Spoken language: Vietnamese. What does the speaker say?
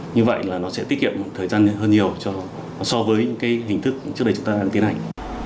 như vậy là nó sẽ tiết kiệm thời gian hơn nhiều so với những hình thức trước đây chúng ta đang tiến hành